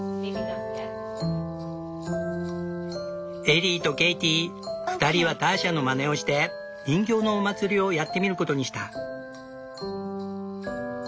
エリーとケイティ２人はターシャのまねをして人形のお祭りをやってみることにした。